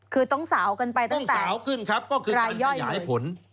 คือต้องสาวกันไปตั้งแต่ต้องสาวขึ้นครับก็คือการขยายผล